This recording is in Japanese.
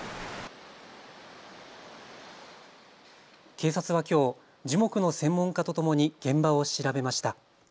警察はきょう、樹木の専門家とともに現場を調べました。